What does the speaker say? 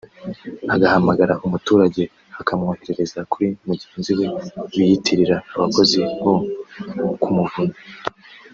agahamagara umuturage akamwohereza kuri mugenzi we biyitirira abakozi bo ku muvunyi